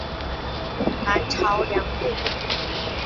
南朝梁废。